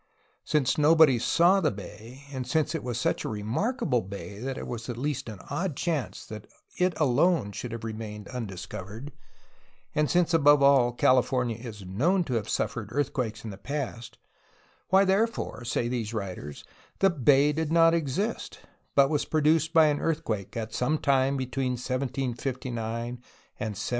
Since nobody saw the bay, and since it was such a remarkable bay that it was at least an odd chance that it alone should have remained undiscovered, and since, above all, Cahfor nia is known to have suffered earthquakes in the past, why therefore, say these writers, the bay did not exist, but was produced by an earthquake at some time between 1579 and 1769.